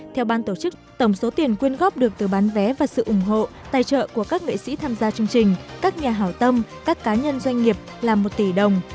theo ban tổ chức tổng số tiền quyên góp được từ bán vé và sự ủng hộ tài trợ của các nghệ sĩ tham gia chương trình các nhà hảo tâm các cá nhân doanh nghiệp là một tỷ đồng